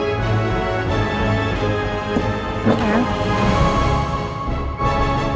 iya pak saya terima